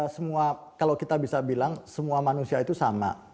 semua kalau kita bisa bilang semua manusia itu sama